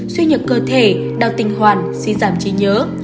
suy nhược cơ thể đau tình hoàn suy giảm trí nhớ